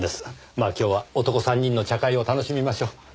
まあ今日は男３人の茶会を楽しみましょう。